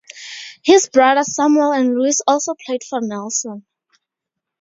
His brothers Samuel and Louis also played for Nelson.